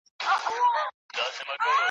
خوږېدل یې سرتر نوکه ټول هډونه !.